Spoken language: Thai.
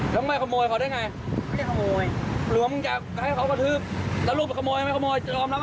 ผมก็เลยขอร้อยหนึ่งเขาโดนไม่ให้